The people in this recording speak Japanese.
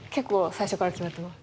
最初から決まってます。